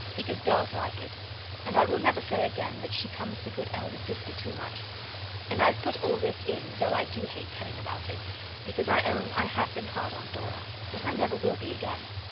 Because girls like it. And I will never say again that she comes the good elder sister too much. And I have put all this in though I do hate telling about it, because I own I have been hard on Dora, but I never will be again.